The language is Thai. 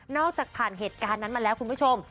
จากผ่านเหตุการณ์นั้นมาแล้วคุณผู้ชม